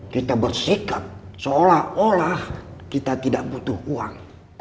kita bersikap seolah olah kita tidak butuh uang